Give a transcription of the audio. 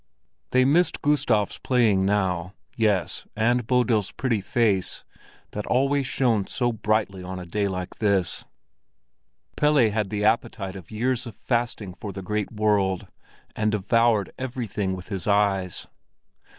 They missed Gustav's playing now—yes, and Bodil's pretty face, that always shone so brightly on a day like this. Pelle had the appetite of years of fasting for the great world, and devoured everything with his eyes.